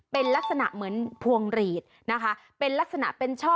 เป็นลักษณะเหมือนพวงหลีดนะคะเป็นลักษณะเป็นช่อ